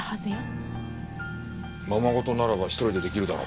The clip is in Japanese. ままごとならば１人で出来るだろ。